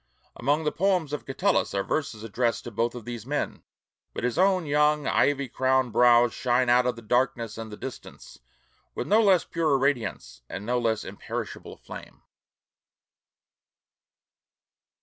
Among the poems of Catullus are verses addressed to both of these men; but his own young ivy crowned brows shine out of the darkness and the distance, with no less pure a radiance and no less imperishable a fame.